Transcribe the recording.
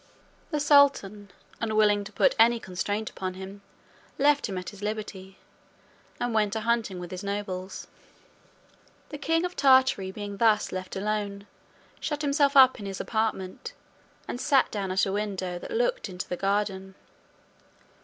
The sultan, unwilling to put any constraint upon him, left him at his liberty, and went a hunting with his nobles. The king of Tartary being thus left alone, shut himself up in his apartment, and sat down at a window that looked into the garden.